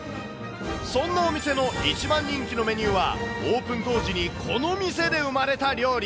そんなお店の一番人気のメニューは、オープン杜氏にこの店で生まれた料理。